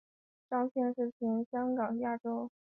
张茜是前香港亚洲电视艺员颜子菲的表姑姑。